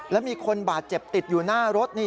แล้วมีคนบาดเจ็บติดอยู่หน้ารถนี่